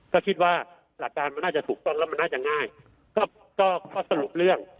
ก็คิดว่าหลักการมันน่าจะถูกต้องแล้วมันน่าจะง่ายก็ข้อสรุปเรื่อง